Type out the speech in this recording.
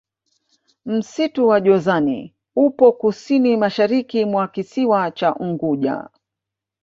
msitu wa jozani upo kusini mashariki mwa kisiwa cha unguja